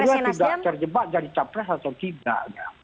apakah ahy tidak terjebak jadi capres atau tidak ya